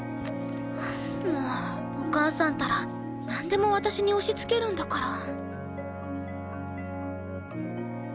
もうお母さんったらなんでも私に押しつけるんだから。